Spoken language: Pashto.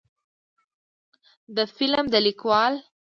د فلم د لیکوال